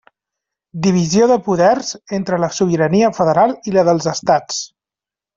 Divisió de poders entre la sobirania federal i la dels estats.